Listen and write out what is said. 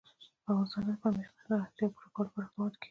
په افغانستان کې د پامیر د اړتیاوو پوره کولو لپاره اقدامات کېږي.